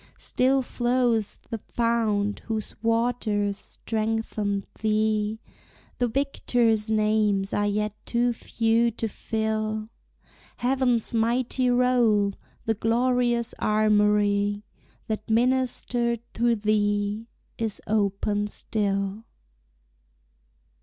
Still flows the fount whose waters strengthened thee; The victors' names are yet too few to fill Heaven's mighty roll; the glorious armory, That ministered to thee, is open still.